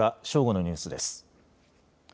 正午のニュースです。